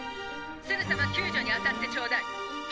すぐさま救助にあたってちょうだい」。